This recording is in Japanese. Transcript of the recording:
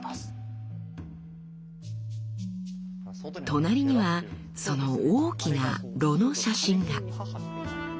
隣にはその大きな炉の写真が。